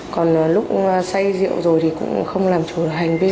còn lúc say rượu rồi thì cũng không làm chủ được hành vi